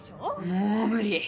もう無理！